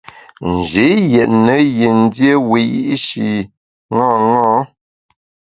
Nji yètne yin dié wiyi’shi ṅaṅâ.